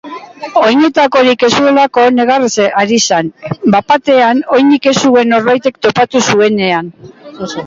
Oinetakorik ez zuelako negarrez ari zen, bapatean oinik ez zuen norbait topatu zuenean.